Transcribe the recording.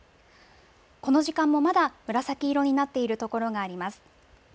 この時間も、まだ紫色になっている所があります。